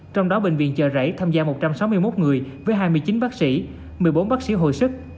trong đó bệnh viện chợ rẫy tham gia một trăm sáu mươi một người với hai mươi chín bác sĩ một mươi bốn bác sĩ hồi sức